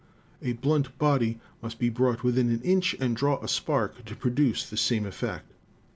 A blunt body must be brought within an inch and draw a spark to produce the same effect.